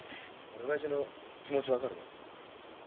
俺親父の気持ち分かるね。